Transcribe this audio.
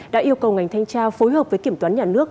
đã yêu cầu ngành thanh tra phối hợp với kiểm toán nhà nước